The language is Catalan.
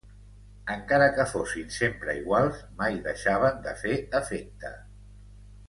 Encare que fossin sempre iguals, mai deixaven de fer efecte.